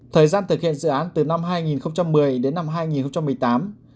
thời gian thực hiện dự án từ năm hai nghìn một mươi đến năm hai nghìn một mươi tám